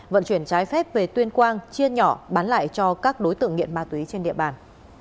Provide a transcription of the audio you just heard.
vận chuyển trái phép về tuyên quang chia nhỏ bán lại cho các đối tượng nghiện ma túy trên địa bàn